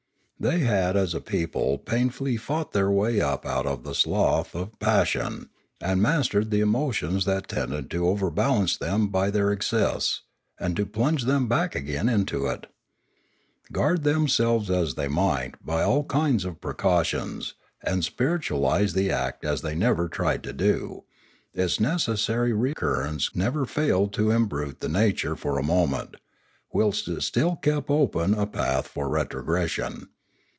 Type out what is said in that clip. They had as a people pain fully fought their way up out of the slough of passion, and mastered the emotions that tended to overbalance them by their excess, and to plunge them back again into it. Guard themselves as they might by all kinds of precautions, and spiritualise the act as they ever tried to do, its necessary recurrence never failed to em brute the nature for a moment, whilst it still kept open a path for retrogression.